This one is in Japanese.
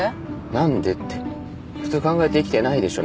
なんでって普通考えて生きてないでしょ